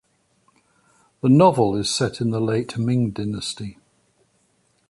The novel is set in the late Ming dynasty.